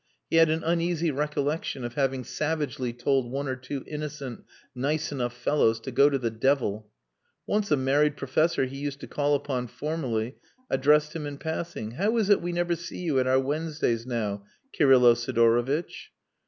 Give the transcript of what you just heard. He had an uneasy recollection of having savagely told one or two innocent, nice enough fellows to go to the devil. Once a married professor he used to call upon formerly addressed him in passing: "How is it we never see you at our Wednesdays now, Kirylo Sidorovitch?"